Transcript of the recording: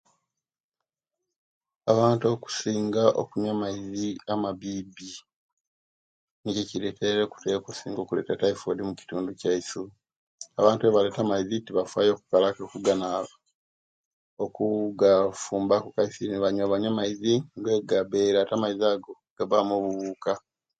Abantu okisinga okunywa amaizi amabibi Nikyo ekiretere okusinga okuleta taifoidi omukitudu kyaisu abantu ebaleta amaizi tebafaayo okukolaki okuu gafumbaku kaisi nebanywa banywa amaizi ate amaizi ago gabamu obuwuka.